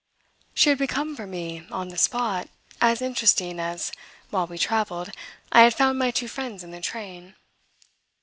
She had become for me, on the spot, as interesting as, while we travelled, I had found my two friends in the train.